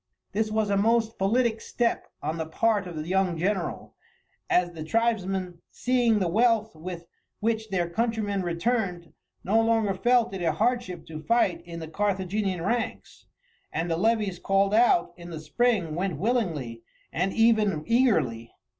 This was a most politic step on the part of the young general, as the tribesmen, seeing the wealth with which their countrymen returned, no longer felt it a hardship to fight in the Carthaginian ranks, and the levies called out in the spring went willingly and even eagerly.